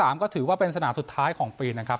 ก็ถือว่าเป็นสนามสุดท้ายของปีนะครับ